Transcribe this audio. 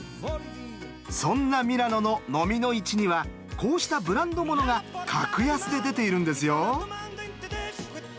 そんなミラノのノミの市にはこうしたブランド物が格安で出ているんですよ。